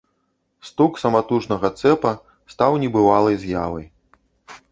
Стук саматужнага цэпа стаў небывалай з'явай.